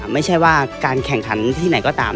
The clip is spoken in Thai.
ไม่ใช่ว่าการแข่งขันที่ไหนก็ตาม